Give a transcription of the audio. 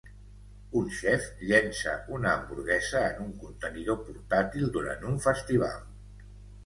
Un xef llença una hamburguesa en un contenidor portàtil durant un festival.